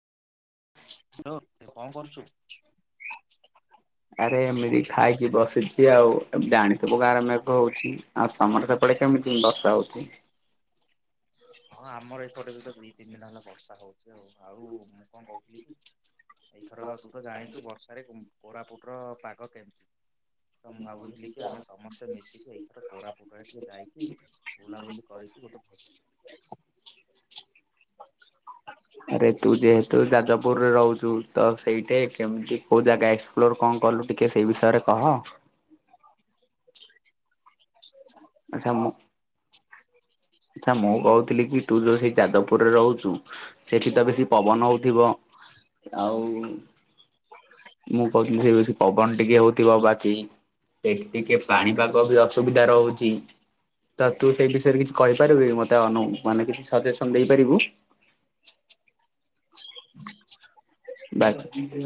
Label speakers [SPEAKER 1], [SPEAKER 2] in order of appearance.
[SPEAKER 1] କଣ କରୁଛୁ?
[SPEAKER 2] ଆରେ ଏମିତି ଖାଇକି ବସିଛି ଆଉ ଏ ଜାଣିଥିବୁ ଗାଁରେ ମେଘ ହଉଛି। ଆଉ ତମର ସେପଡେ କେମିତି ବର୍ଷା ହଉଛି?
[SPEAKER 1] ହଁ, ଆମର ଏପଟେ ବି ତ ଦୁଇ-ତିନି ଦିନ ହେଲା ବର୍ଷା ହଉଛି, ଆଉ। ଆଉ ମୁଁ କଣ କହୁଥିଲି କି? ଏଇଥର ତୁ ତ ଜାଣିଛୁ, ବର୍ଷାରେ କୋରାପୁଟ ର ପାଗ କେମିତି। ତ ମୁଁ ଭାବୁଥିଲି କି, ଆମେ ସମସ୍ତେ ମିଶିକି ଏଇଥର କୋରାପୁଟ କହିଥିଲେ ଯାଇକି ବୁଲାବୁଲି କରିକି ଗୋଟେ ଫ
[SPEAKER 2] ଆରେ ତୁ ଯେହେତୁ ଯାଜପୁରରେ ରହୁଛୁ ତ ସେଇଠେ କେମିତି, କୋଉ ଜାଗା ଲ କଣ କଲୁ ଟିକେ ସେଇ ବିଷୟରେ କହ? ଆଚ୍ଛା, ମୁଁ ଆଚ୍ଛା, ମୁଁ କହୁଥିଲି କି, ତୁ ଯଦି ଯାଜପୁରେ ରହୁଛୁ ସେଠି ତ ବେଶୀ ପବନ ହଉଥିବ। ଆଉ ମୁଁ କହୁଥିଲି, ସେଠି ବେଶୀ ପବନ ଟିକେ ହଉଥିବ, ବାକି ଏଠି ଟିକେ ପାଣିପାଗ ବି ଅସୁବିଧା ରହୁଛି।
[SPEAKER 1] [inaudible]
[SPEAKER 2] ତ, ତୁ ସେଇ ବିଷୟରେ କିଛି କହିପାରିବି ମୋତେ ଅନଉ, କି ମାନେ କିଛି ସଜେସନ ଦେଇପାରିବୁ?
[SPEAKER 1] [inaudible]
[SPEAKER 2] [unintelligible]